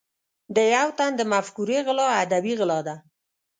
د یو تن د مفکورې غلا ادبي غلا ده.